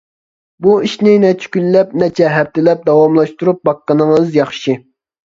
بۇ ئىشنى نەچچە كۈنلەپ، نەچچە ھەپتىلەپ داۋاملاشتۇرۇپ باققىنىڭىز ياخشى.